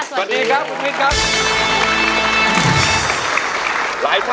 สวัสดีครับคุณมิ้นครับ